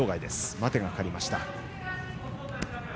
待てがかかりました。